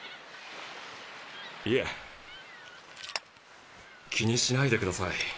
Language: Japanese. いえ気にしないでください。